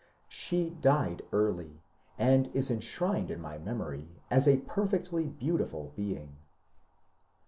She died early, and is enshrined in my memory as a perfectly beautiful being.